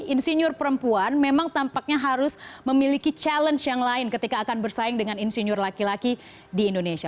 insinyur perempuan memang tampaknya harus memiliki challenge yang lain ketika akan bersaing dengan insinyur laki laki di indonesia